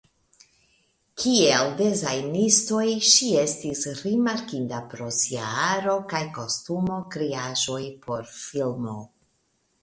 Kiel dezajnisto ŝi estis rimarkinda pro sia aro kaj kostumo kreaĵoj por filmo.